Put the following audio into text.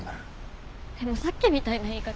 でもさっきみたいな言い方。